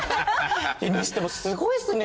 にしてもすごいっすね